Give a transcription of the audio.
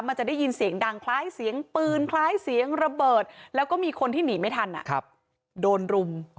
มันจะได้ยินเสียงดังคล้ายเสียงปืนคล้ายเสียงระเบิดแล้วก็มีคนที่หนีไม่ทันโดนรุม